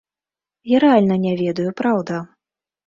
Я рэальна не ведаю, праўда.